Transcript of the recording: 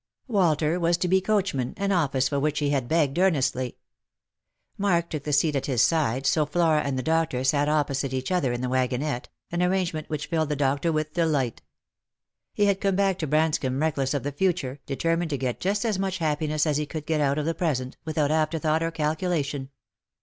Walter was to be coachman, an office for which he had begged earnestly. Mark took the seat at his side, so Flora and the doctor sat opposite each other in the wagonette, an arrangement which filled the doctor with delight. He had come back to Branscomb reckless of the future, determined to get just as much happiness as he could get out of the present, without after thought or calculation.